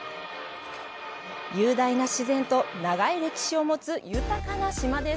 雄大な自然と長い歴史を持つ豊かな島です。